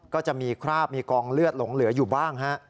ก็จะมีคราบมีกองเลือดหลงเหลืออยู่บ้างฮะ